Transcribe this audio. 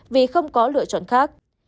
vì không có lựa chọn khác